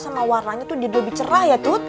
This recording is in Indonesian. sama warnanya jadi lebih cerah ya tut